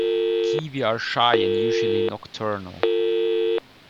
Kiwi are shy and usually nocturnal.